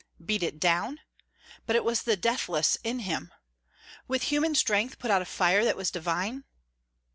Beat it down? But it was the deathless in him. With human strength put out a fire that was divine?